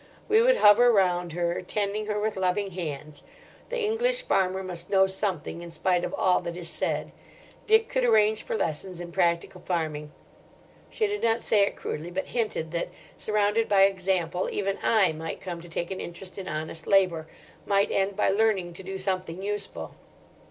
We would hover round her, tending her with loving hands. The English farmer must know something, in spite of all that is said. Dick could arrange for lessons in practical farming. She did not say it crudely; but hinted that, surrounded by example, even I might come to take an interest in honest labour, might end by learning to do something useful.